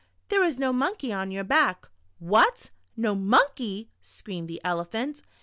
"' "There is no monkey on your back." "What, no monkey?" screamed the Elephant.